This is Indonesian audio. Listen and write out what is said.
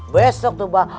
besok tuh mbak